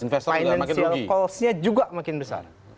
financial callsnya juga makin besar